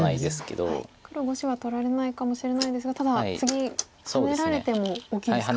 黒５子は取られないかもしれないですがただ次ハネられても大きいですか。